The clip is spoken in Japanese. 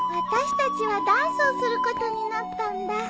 私たちはダンスをすることになったんだ。